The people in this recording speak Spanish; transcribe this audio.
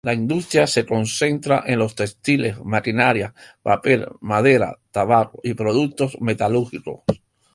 La industria se concentra en los textiles, maquinaria, papel, madera, tabaco y productos metalúrgicos.